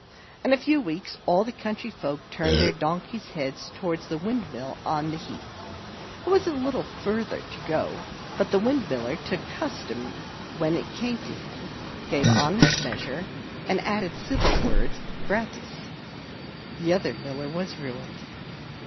In a few weeks all the country folk turned their donkeys' heads towards the windmill on the heath. It was a little farther to go, but the Windmiller took custom when it came to him, gave honest measure, and added civil words gratis. The other Miller was ruined.